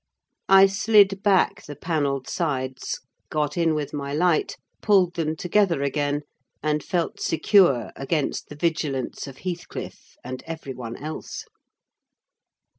I slid back the panelled sides, got in with my light, pulled them together again, and felt secure against the vigilance of Heathcliff, and every one else.